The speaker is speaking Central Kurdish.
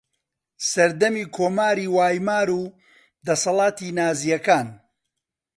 سەردەمی کۆماری وایمار و دەسەڵاتی نازییەکان